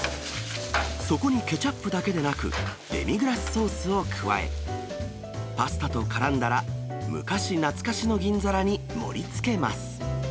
そこにケチャップだけでなく、デミグラスソースを加え、パスタとからんだら、昔懐かしの銀皿に盛りつけます。